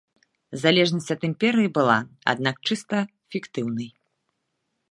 Залежнасць ад імперыі была, аднак, чыста фіктыўнай.